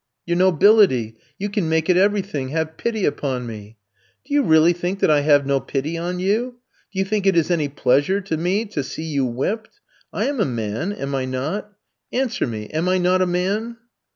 "Your nobility! You can make it everything; have pity upon me." "Do you really think that I have no pity on you? Do you think it is any pleasure to me to see you whipped? I am a man, am I not? Answer me, am I not a man?"